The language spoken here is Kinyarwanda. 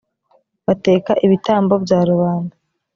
bateka ibitambo bya rubanda